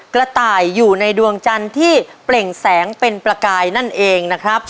กระต่ายอยู่ในดวงจันทร์ที่เปล่งแสงเป็นประกายนั่นเองนะครับ